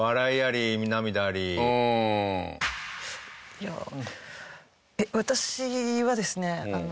いやあ私はですね